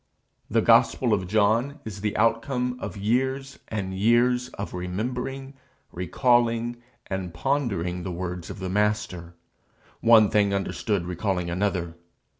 The gospel of John is the outcome of years and years of remembering, recalling, and pondering the words of the Master, one thing understood recalling another.